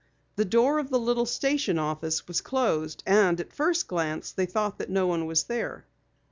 The door of the little station office was closed and at first glance they thought no one was there.